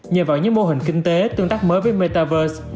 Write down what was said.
nhờ vào những mô hình kinh tế tương tác mới với metaverse